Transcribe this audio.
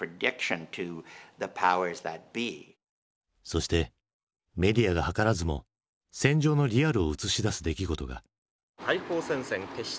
そしてメディアが図らずも戦場のリアルを映し出す出来事が。